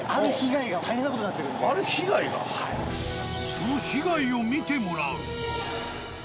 その被害を見てもらう。